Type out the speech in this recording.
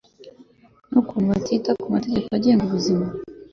nukuntu batita ku mategeko agenga ubuzima